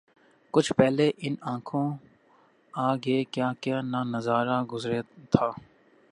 کچھ پہلے ان آنکھوں آگے کیا کیا نہ نظارا گزرے تھا